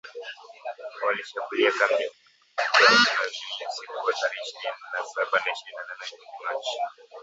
walishambulia kambi za jeshi Tchanzu na Runyonyi usiku wa tarehe ishirini na saba na ishirini na nane mwezi Machi